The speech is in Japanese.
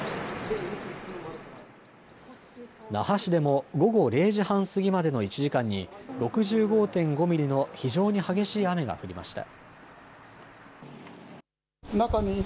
那覇市でも午後０時半過ぎまでの１時間に６５．５ミリの非常に激しい雨が降りました。